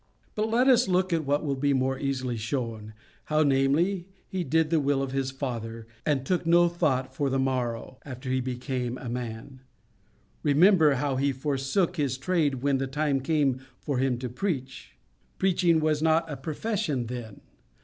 "But let us look at what will be more easily shown—how, namely, He did the will of His Father, and took no thought for the morrow after He became a man. Remember how He forsook His trade when the time came for Him to preach. Preaching was not a profession then.